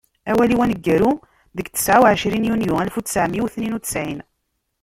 Awal-is aneggaru deg ttɛa u ɛcrin Yunyu alef u ttɛemya u tniyen u ttɛin.